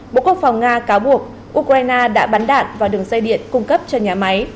bộ quốc phòng nga cáo buộc ukraine đã bắn đạn vào đường dây điện cung cấp cho nhà máy